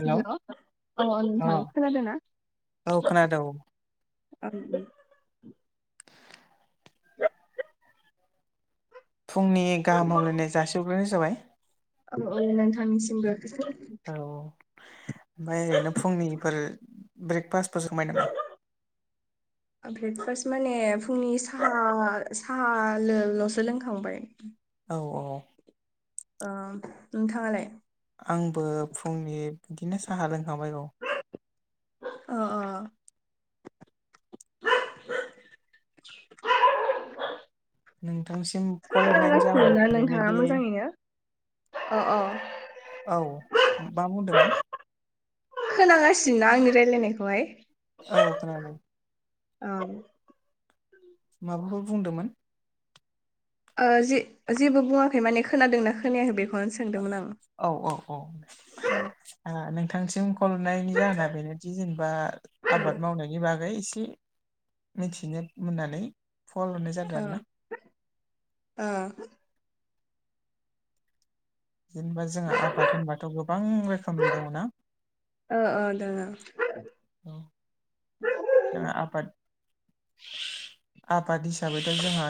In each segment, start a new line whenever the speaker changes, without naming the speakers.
Hello
hello अ
अ
नोंथां खोनादों ना?
औ खोनादों औ
आ।
फुंनि गाहाम हामलायनाय जासिग्रानो जाबाय।
नोंथांनिसिमबो।
औ ओमफ्राय ओरैनो फुंनिफोर ब्रेकफास्टफोरसो जामाय नामा?
ब्रेकफास्ट माने फुंनि साहा साहालोल'सो लोंखांबाय।
औ औ।
नोंथाङालाय?
आंबो फुंनि बिदिनो साहा लोंखाबायगौ।
अ। अ [inaudible]
नोंथांसिम कल हरनायनि
खोनागासिनो
जाहोना बेनोदि
औ औ।
औ मा बुंदोंमोन?
खोनांगासिनो ना आंनि रायलायनायखौहाय?
औ खोनादों।
औ।
माबाफोर बुंदोंमोन?
ओ जे जेबो बुङाखै माने खोनादोंना खोनायाखै बेखौनो सोंदोंमोन आं
औ औ औ नोंथांसिम खल हरनायनि जाहोना बेनोदि जेनेबा आबाद मावनायनि बागै एसे मिथिनो मोननानै फन हरनाय जादों आरोना
ओ ओ
जेनेबा जोंहा आबाद होनबाथ गोबां रोखोमनि दङ ना
ओ ओ दोङो
औ जों आबाद आबाद हिसाबैथ जोंहा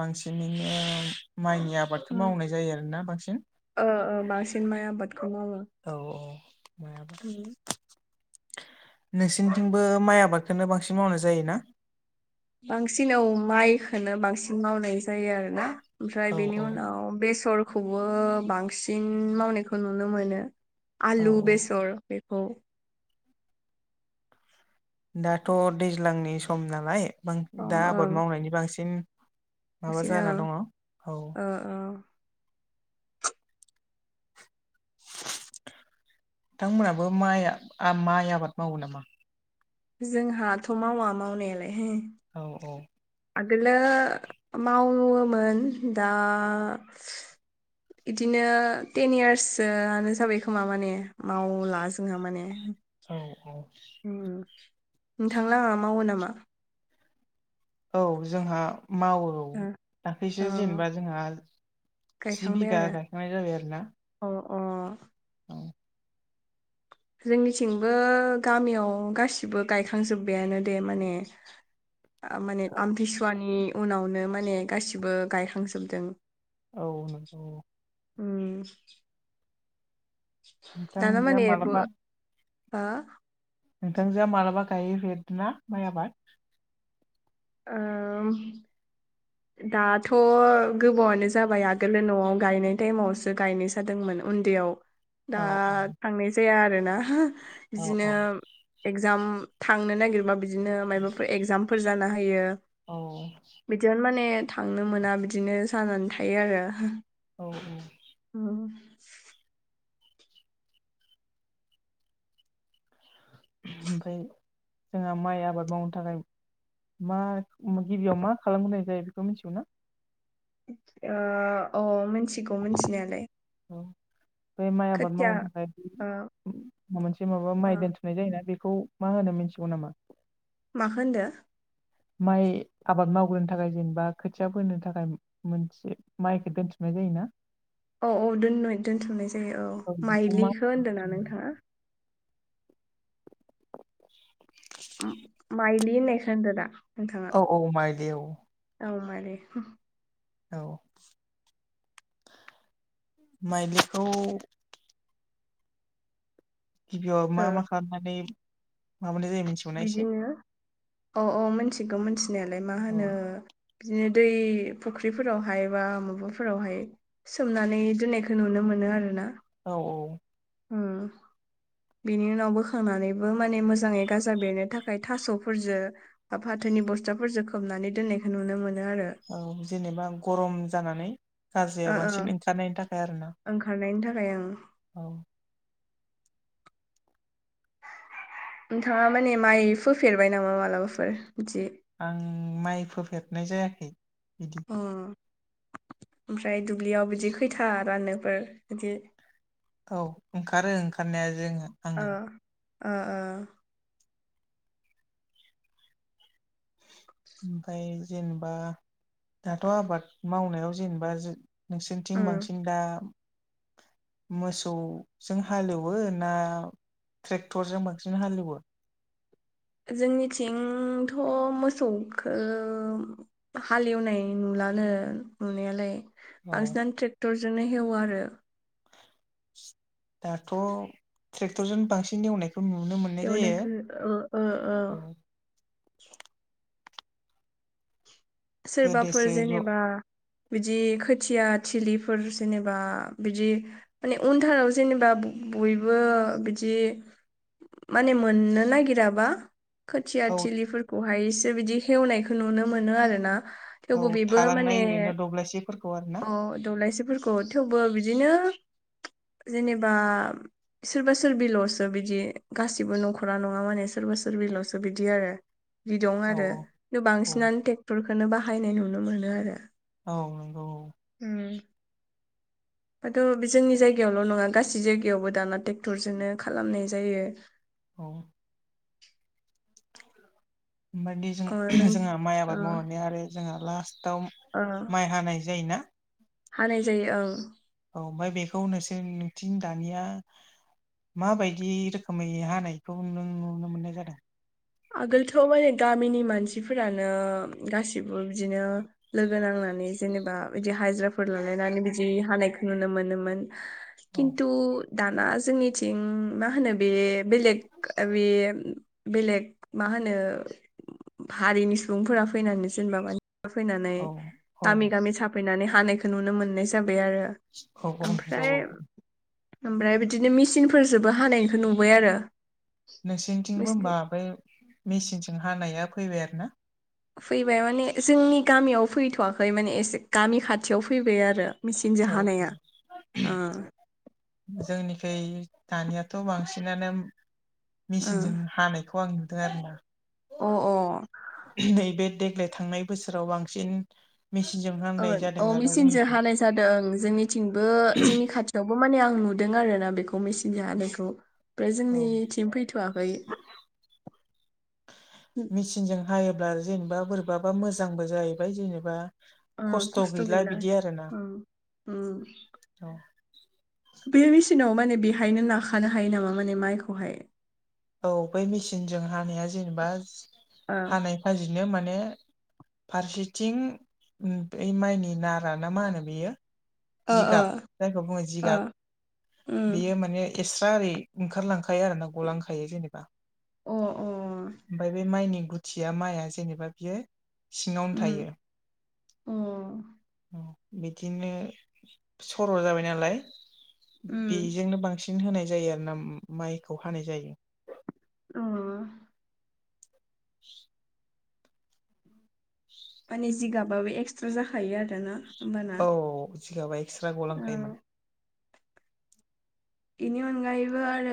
बांसिनैनो माइनि आ बादखौ मावनाय जायो आरोना बांसिन
ओ ओ बांसिन माइ आबादखौ मावो
औ औ माइ आबाद नोंसोरनिथिंबो माइ आबादखौनो बांसिन मावनाय जायोना
बांसिनाव औ माइखौनो बांसिन मावनाय जायो आरोना ओमफ्राय
औ
बेनि
औ
उनाव बेसरखौबो बांसिन मावनायखौ नुनो मोनो
औ
आलु बेसर बेखौ
दाथ दैज्लांनि सम नालाय
ओम
दा
ओं
आबाद मावनायनि बांसिन माबा
बिदिनो
जाना दङ औ
ओ ओ
नोंथांमोनहाबो माइ माइ आबाद मावो नामा
जोंहाथ मावा मावनायालाय
औ औ
आगोलो मावोन दा
[inaudible]
इदिनो टेन इयार्ससोआनो जाबाय खोमा माने मावला जोंहा माने
औ औ
नोंथांलाहा मावो नामा
औ जोंहा मावो औ
ओ अ
दाख्लैसो जेनेबा जोंहा जि
गायखांबाय
बिघा
आरो
गायखांनाय जाबाय आरोना
अ अ
औ
जोंनिथिंबो गामियाव गासिबो गायखांजोब्बायानो दे माने
[inaudible]
माने आमतसुवानि उनावनो माने गासिबो गायखांजोबदों
औ नंगौ
उम दाना
नोंथांजोआ
माने बो
मालाबा
हो
नोंथांजोआ मालाबा गायफेरदोंना माइ आबाद
ओ
[inaudible]
दाथ गोबावनो जाबाय आगोल न'आव गायनाय टाइमावसो गायनो जादोंमोन उन्दैयाव
औ
दा थांनाय जाया आरोना
औ
बिदिनो
औ
एगजाम थांनो नागिरबा बिदिनो मायाबाफोर एगजामफोर जाना होयो
औ औ
बिदिनो माने थांनो मोना बिदिनो जानानै थायो आरो
औ औ
उम
ओमफ्राय जोंहा माइ आबाद मावनो थाखाय मा गिबियाव मा खालामग्रोनाय जायो बेखौ मिथिगौना
अ अ मिथिगौ मिथिनायालाय
औ बे माइ आबाद
खोथिया
मावनो थाखाय
ओ
माबा मोनसे माबा
ओ
माइ दोनथ ननाय जायोना बेखौ मा होनो मिथिगौ नामा
माखौ होन्दों
माइ आबाद मावग्रोनो थाखाय जेनेबा खोथिया फोनो थाखाय मोनसे माइखौ दोनथुमनाय जायोना
औ औ दोन दोन्थुमनाय जायो औ
बेखौ मा
माइलिखौ होन्दों ना नोंथाङा
[inaudible]
बिदि होननाय खोनादों आरोना
औ औ माइदि औ
औ माने
औ माइलिखौ गिबियाव मा
ओ
मा खालामनानै माबानाय जायो मोनसे
बिदिनो अ औ मोनथिगौ मोनथिनायालाय मा
औ
होनो बिदिनो दै फुख्रिफोरावहाय बा माबाफोरावहाय सोमनानै दोननायखौ नुनो मोनो आरोना
औ औ
उम बेनि उनाव बोखांनानैबो माने मोजाङै गासै जा बेनो थाखाय थास'फोरजों बा फाथोनि बस्थाफोरजों खोबनानै दोननायखौ नुनो मोनो आरो
औ जेनेबा गरम जानानै
ओ
गाजाया
ओ
बांसिन ओंखारनायनि थाखाय आरो ना
ओंखारनायनि थाखाय ओं
औ
नोंथाङा माने माइ फोफेरबाय नामा मालाबाफोर बिदि
आं माइ फोफेरनाय जायाखै बिदि
अ ओमफ्राय दुब्लियाव बिदि खैथा राननोफोर बिदि
औ ओंखारो ओंखारनाया जोङो।
ओ
आङो
ओ ओ
ओमफ्राय जेनेबा दाथ' आबाद मावनायाव जेनेबा जों नोंसोरनिथिं
उम
बांसिन दा मोसौजों हालेवो ना ट्रेक्टरजों बांसिन हालेवो
जोंनिथिंथ' मोसौखौ हालेवनाय नुलानो नुनायालाय
औ
बांसिनानो ट्रेक्टरजोंनो हेवो आरो
दाथ' ट्रेक्टरजों बांसिन एवनायखौ नुनो मोनो
एवनाय खौ ओ औ सोरबाफोर
गोदोसो ज'
जेनेबा बिदि खोथिया थिलिफोर जेनेबा बिदि माने उनथाराव जेनेबा बयबो बिदि माने मोननो नागिराबा खोथिया
औ
थिलिफोरखौहायसो बिदि हेवनायखौ नुनो मोनो आरो ना
औ
थेवबो बेबो माने
थालांनाय ओरैनो दब्लायसेफोरखौ आरो ना
अ दब्लायसि फोरखौ थेवबो बिदिनो जेनेबा सोरबा सोरबिल'सो बिदि गासिबो न'खरा नङा माने सोरबा सोरबिलआवसो बिदि आरो बि दं
औ
आरो
औ
बांसिनानो ट्रेक्टरखौनो बाहायनाय नुनो मोनो आरो
औ नंगौ औ
उम
[unintelligible]
दाथ' बे जोंनि जायगायावल' नङा गासै जायगायावबो दाना ट्रेक्टरजोंनो खालामनाय जायो।
औ मानि जों
ओ नों
जोंहा माइ आबाद मावनानै आरो जोंहा लास्टाव
उ
माइ हानाय जायोना
हानाय जायो ओं
औ ओमफ्राय बेखौ नोंसोर नोंथिं दानिया माबायदि रोखोमै हानायखौ नों नुनो मोननाय जादों
आगोलथ' माने गामिनि मानसिफोरानो गासिबो बिदिनो लोगो नांनानै जेनेबा बिदि हाजिराफोर लालायनानै बिदि हानायखौ नुनो मोनोमोन
औ
खिन्थु दाना जोंनिथिं मा होनो बे बेलेग बे बेलेग मा होनो हारिनि सुबुंफोरा फैनानै जेनेबा माने फैनानै
औ औ
गामि गामि साफैनानै हानायखौ नुनो मोननाय जाबाय आरो
औ औ नंगौ
ओमफ्राय
औ
ओमफ्राय बिदिनो मेचिनफोरजोंबो हानायखौ नुबाय आरो
नोंसोरनिथिंबो
नोंसिनि
होनबा बै मेचिनजों हानाया फैबाय आरो ना
फैबाय माने जोंनि गामियाव फैथ'वाखै माने एसे गामि खाथियाव फैबाय आरो मिसिंजो
औ औ
हानाया
जोंनिखै दानियाथ' बांसिनानो मेचिनजों हानायखौ आं नुदों आरो ना
ओ ओ
नैबे देक्लेस थांनाय बोसोराव बांसिन मेचिनजों
अ
हानाय
अ
जादों आरो
मेचिनजों
जोंनिथिं
हानाय जादों जोंनिथिंबो जोंनि खाथियावबो माने आं नुदों आरो ना बेखौ मेचिनजों हानायखौ ओमफ्राय
औ
जोंनिथिं फैथ'वाखै
मेचिनजों हायोब्ला जेनेबा बोरैबाबा मोजांबो जाहैबाय जेनेबा खस्थ' गैला बिदि आरोना
ओ उम
औ
बे मेसिनाव माने बेहायनो नाखानो हायो नामा माने माइखौहाय
औ बै मेचिनजों हानाया जेनेबा
ओ
हानाय फाजेनो माने फारसेथिं बै माइनि नारा ना मा होनो बेयो
ओ
जिगाब
ओ
जायखौ बुङो
ओ
जिगाब
उम
बेयो माने एक्सट्रा ओरै ओंखारलांखायो आरोना गलांखायो जेनेबा
अ अ
ओमफ्राय बे माइनि गुथिया माइआ जेनेबा बियो सिङावनो
उम
थायो
अ
बिदिनो सर' जाबाय नालाय
उम
बेजोंनो बांसिन होनाय जायो आरोना माइखौ हानाय जायो
अ
[inaudible]
माने जिगाबाबो एक्सट्रा जाखायो आरोना होमबाना
औ जिगाबा एक्सट्रा
औ
गलांखायो माने
बेनि अनगायैबो आरो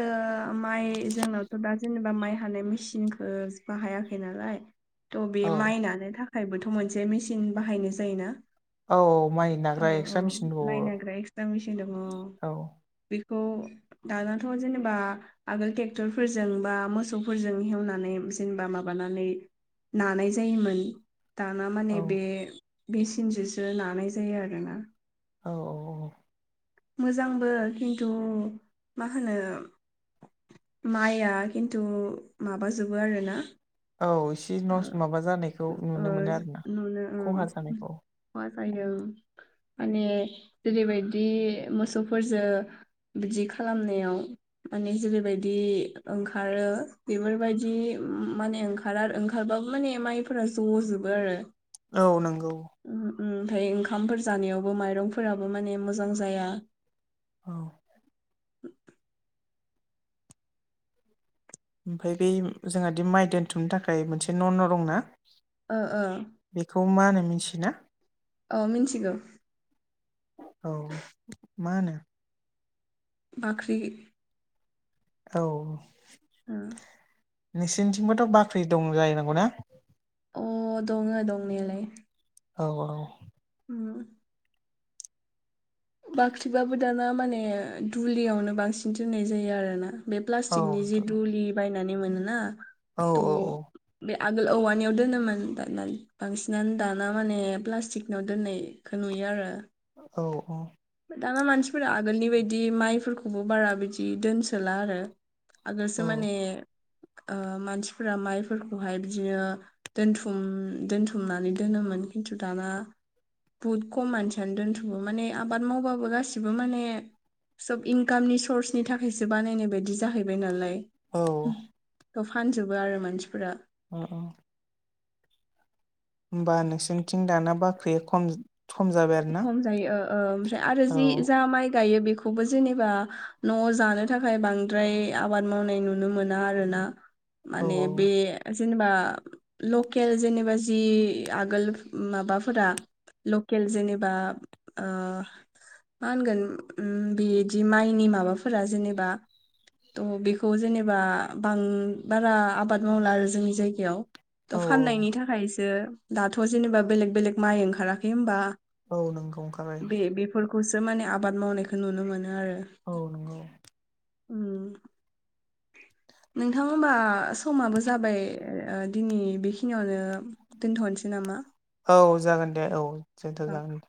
माइ जोंनावथ' दा जेनेबा माइ हानाय मेसिनखौ बाहायाखै नालाय थ' बे
औ
माइ नानो थाखायबोथ' मोनसे मेचिन बाहायनाय जायोना
औ औ माइ
औ
नाग्रा एक्सत्रा
औ
मेसिन
माइ
दंबावो
नाग्रा एक्सट्रा मेचिन दङ
औ
बेखौ दानाथ' जेनेबा आगोल ट्रेक्टरफोरजों बा मोसौफोरजों हेवनानै जेनेबा माबानानै नानाय जायोमोन दाना माने
औ
बे बे मेसिनजोंसो नानाय जायो आरोना
औ औ औ
मोजांबो खिन्थु मा होनो माइआ खिन्थु माबाजोबो आरोना
औ इसे नस माबा जानायखौ
ओ
नुनो मोनो आरोना खहा जानायखौ
मा जायो माने जेरैबायदि मोसौफोरजों बिदि खालामनायाव माने जेरैबायदि ओंखारो बेफोरबायदि माने ओं खारार ओंखारबाबो माने माइफोरा ज'जोबो आरो।
औ नंगौ।
ओमफ्राय ओंखामफोर जानायावबो माइरंफोराबो माने मोजां जाया।
औ।
[inaudible]
ओमफफ्राय बै जोंहादि माइ दोनथुमनो थाखाय मोनसे न' न' दं ना।
ओ
बेखौ मा होनो मिथियोना
औ मिथिगौ।
औ मा होनो।
बाख्रि।
औ।
[inaudible]
नोंसोरनिथिंबोथ' बाख्रि दं जाहनांगौ ना
अ दंङो दं नेल
औ औ
म बाख्रिबाबो दाना माने दुलियावनो बांसिन दोननाय जायो आरोना बे
औ
प्लास्टिकनि जि दुलि बायनानै मोनोना
औ
थ' बे आगोल औवानियाव दोनोमोन दाना बांसिनानो दाना माने प्लास्टिकनिाव दोननाय खौ नुयो आरो।
औ औ
दाना मानसिफोरा आगोलनि बायदि माइफोरखौबो बारा बिायदि दोनसोला आरो।
औ
आगोलसो माने मानसिफोरा माइफोरखौहाय बिदिनो। दोनथुम दोनथुमनानै दोनोमोन खिन्थु दाना बहुद खम मानसियानो दोनथ'बो माने आबाद मावबाबो गासिबो माने। सब इनकामनि सर्सनि थाखायसो बानायनाय बायदि जाहैबाय नालाय
औ
खौ फानजोबो आरो मानसिफोरा
अ अ। होमबा नोंसोरनिथिं दाना बाख्रि खम खम जाबाय आरो ना
मफ्राय आरो जि माइ गायो बेखौ। बे खौबो जेनेबा न' जानो थाखाय बांद्राय आबाद मावनाय नुनो मोना आरोना। माने बे जेनेबा लकेल जेनेबा जि आगोल माबाफोरा लकेल जेनेबा मा होनगोन बिदि माइनि माबाफोरा जेनेबा। थह बेखौ जेनेबा बां बारा आबाद मावला आरो जोंनि जायगायाव।
औ
थ' फाननायनि थाखायसो दाथ' जेनेबा बेलेग बेलेग माइ ओंखाराखै होनबा।
औ नंगौ। ओंखारबाय
बे बेफोरखौसो माने आबाद मावनायखौ नुनो मोनो आरो।
औ नङो
उम। नोंथां होनबा समाबो जाबाय दिनै बेखिनियावनो। दोनथ'नोसै नामा?
औ जागोन दे औ दोनथ' जागोन द